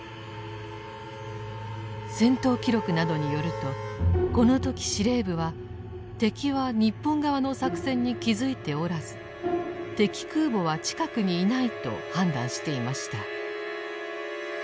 戦闘記録などによるとこの時司令部は敵は日本側の作戦に気付いておらず「敵空母は近くにいない」と判断していました。